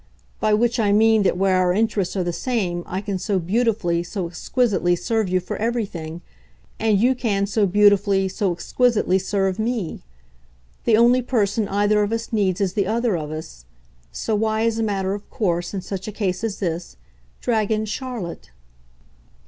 by which I mean that where our interests are the same I can so beautifully, so exquisitely serve you for everything, and you can so beautifully, so exquisitely serve me. The only person either of us needs is the other of us; so why, as a matter of course, in such a case as this, drag in Charlotte?"